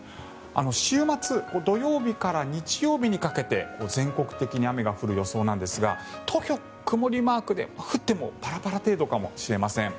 週末、土曜日から日曜日にかけて全国的に雨が降る予想なんですが東京、曇りマークで降ってもパラパラ程度かもしれません。